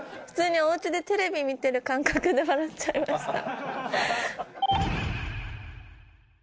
普通におうちでテレビ見てる感覚で笑っちゃいました。